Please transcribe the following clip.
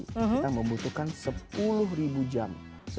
kita membutuhkan sepuluh jam